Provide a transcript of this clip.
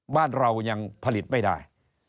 บ้านเรายังผลิตไม่ได้